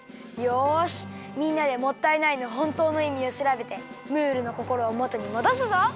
よしみんなで「もったいない」のほんとうのいみをしらべてムールのこころをもとにもどすぞ！